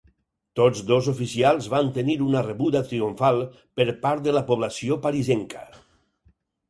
Tots dos oficials van tenir una rebuda triomfal per part de la població parisenca.